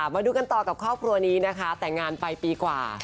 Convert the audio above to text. มาดูกันต่อกับครอบครัวนี้นะคะแต่งงานไปปีกว่า